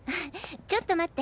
ちょっと待って。